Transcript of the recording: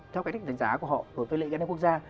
theo cái đánh giá của họ của phương lĩnh gắn đến quốc gia